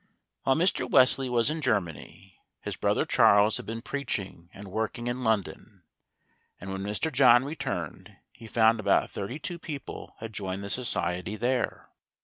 WHILE Mr. Wesley was in Germany, his brother Charles had been preaching and working in London, and when Mr. John returned he found about thirty two people had joined the society there.